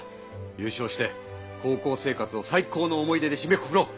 ゆうしょうして高校生活を最高の思い出でしめくくろう！